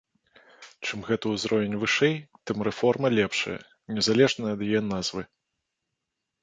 Чым гэты ўзровень вышэй, чым рэформа лепшая, незалежна ад яе назвы.